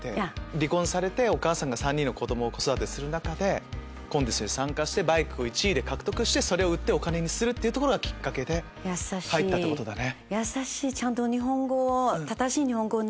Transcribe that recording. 離婚されてお母さんが３人の子育てする中でコンテストに参加してバイクを１位で獲得してそれを売ってお金にするところがきっかけで入ったってことだね。